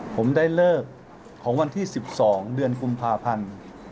ผมได้เลิกของวันที่๑๒เดือนกุมภาพันธ์